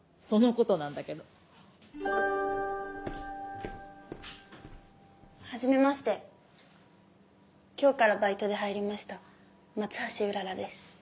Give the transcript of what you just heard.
そのことなんだけどはじめまして今日からバイトで入りました松橋うららです